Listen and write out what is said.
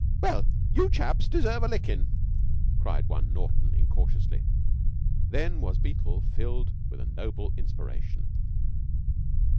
"Well, you chaps deserve a lickin'," cried one Naughten incautiously. Then was Beetle filled with a noble inspiration.